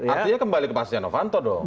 artinya kembali ke pasir janovanto dong